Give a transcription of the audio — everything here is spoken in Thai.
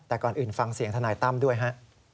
แต่ก่อนอื่นฟังเสียงทนายตั้มด้วยฮะ